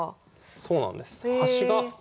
そうなんです。